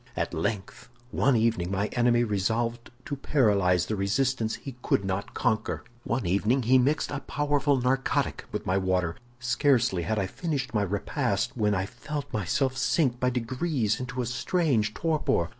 "At length, one evening my enemy resolved to paralyze the resistance he could not conquer. One evening he mixed a powerful narcotic with my water. Scarcely had I finished my repast, when I felt myself sink by degrees into a strange torpor.